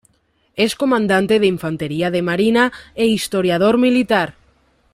Es comandante de Infantería de Marina e historiador militar.